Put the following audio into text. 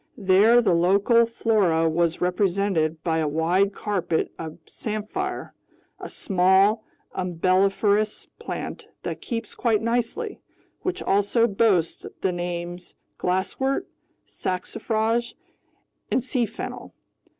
There the local flora was represented by a wide carpet of samphire, a small umbelliferous plant that keeps quite nicely, which also boasts the names glasswort, saxifrage, and sea fennel.